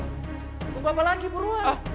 gak apa apa lagi buruan